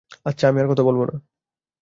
আচ্ছা, আমি আর কথা বলব না।